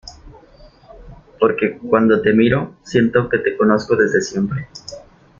porque, cuando te miro , siento que te conozco desde siempre.